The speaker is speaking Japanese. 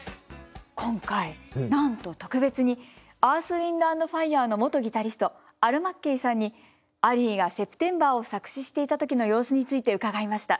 今回なんと特別にアース・ウインド＆ファイアーの元ギタリストアル・マッケイさんにアリーが「Ｓｅｐｔｅｍｂｅｒ」を作詞していた時の様子について伺いました。